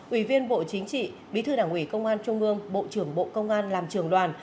ủy viên bộ chính trị bí thư đảng ủy công an trung ương bộ trưởng bộ công an làm trường đoàn